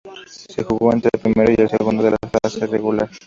Se jugó entre el primero y el segundo de la fase regular.